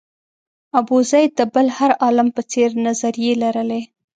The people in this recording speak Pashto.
ابوزید د بل هر عالم په څېر نظریې لرلې.